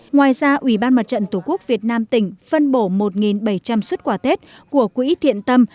ngoài ra ủy ban mặt trận tổ quốc việt nam tỉnh phân bổ một bảy trăm linh xuất quà tết của quỹ thiện tâm